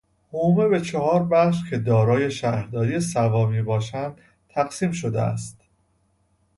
حومه به چهار بخش که دارای شهرداری سوا میباشند تقسیم شده است.